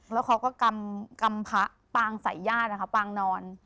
แล้วเขาก็กำพระปางใส่ญาตินะคะปางนอน